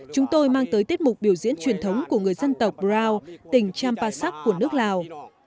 chúng tôi mang tới tiết mục biểu diễn truyền thống của người dân tộc brow tỉnh champasak của nước lào